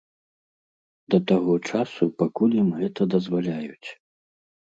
Да таго часу, пакуль ім гэта дазваляюць.